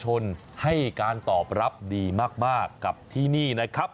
ให้การตอบรับดีมากกับที่นี่นะครับ